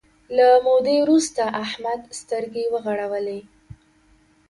له مودې وروسته احمد سترګې وغړولې.